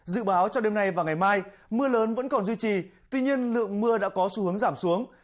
dự báo cho đêm nay và ngày mai mưa lớn vẫn còn duy trì tuy nhiên lượng mưa đã có xu hướng giảm xuống